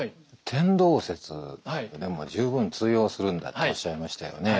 天動説でも十分通用するんだっておっしゃいましたよね。